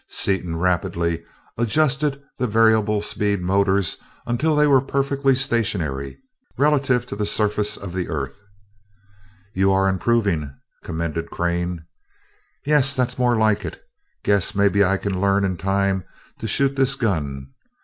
Seaton rapidly adjusted the variable speed motors until they were perfectly stationary, relative to the surface of the earth. "You are improving," commended Crane. "Yeah that's more like it. Guess maybe I can learn in time to shoot this gun.